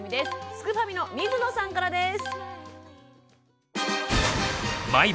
すくファミの水野さんからです。